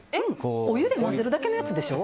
お湯で混ぜるだけのやつでしょ。